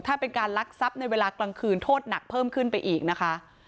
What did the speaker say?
ถ้าเป็นการลักทรัพย์ในเวลากลางคืนโทษหนักเพิ่มขึ้นไปอีกนะคะ